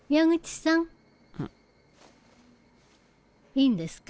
いいんですか？